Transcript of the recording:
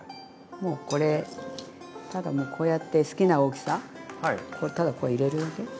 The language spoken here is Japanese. もうこれただもうこうやって好きな大きさただこう入れるだけ。